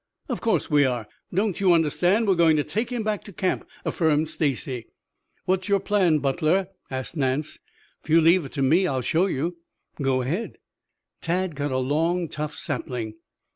"Of course we are. Don't you understand, we're going to take him back to camp," affirmed Stacy. "What's your plan, Butler?" asked Nance. "If you leave it to me, I'll show you." "Go ahead." Tad cut a long, tough sapling.